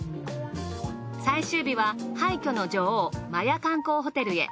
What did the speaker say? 最終日は廃墟の女王摩耶観光ホテルへ。